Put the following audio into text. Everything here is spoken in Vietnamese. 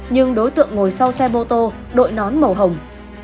nhưng đối tượng ngồi sau xe mô tô đội nón màu hồng